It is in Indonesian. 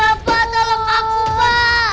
bapak tolong aku pak